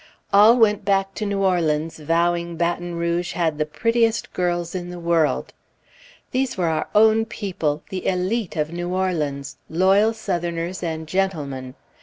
All went back to New Orleans vowing Baton Rouge had the prettiest girls in the world. These were our own people, the élite of New Orleans, loyal Southerners and gentlemen.